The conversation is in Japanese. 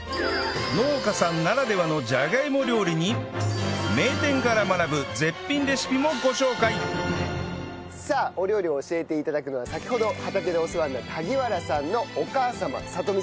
農家さんならではのじゃがいも料理に名店から学ぶ絶品レシピもご紹介さあお料理を教えて頂くのは先ほど畑でお世話になった萩原さんのお母様さとみさんです。